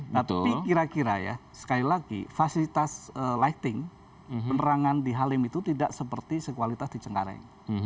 tapi kira kira ya sekali lagi fasilitas lighting penerangan di halim itu tidak seperti sekualitas di cengkareng